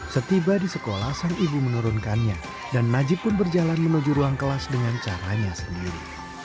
setiba di sekolah sang ibu menurunkannya dan najib pun berjalan menuju ruang kelas dengan caranya sendiri